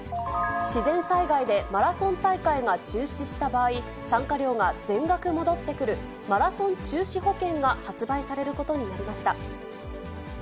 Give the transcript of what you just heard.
自然災害でマラソン大会が中止した場合、参加料が全額戻ってくる、マラソン中止保険が発売されることになりました。